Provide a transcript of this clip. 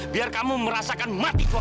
biar kamu merasakan mati tua kamu